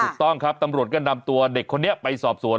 ถูกต้องครับตำรวจก็นำตัวเด็กคนนี้ไปสอบสวน